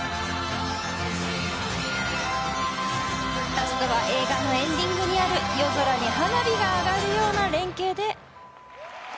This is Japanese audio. ラストは映画のエンディングにある夜空に花火が上がるような連係で。